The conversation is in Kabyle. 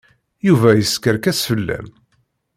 Yuba yeskerkes fell-am.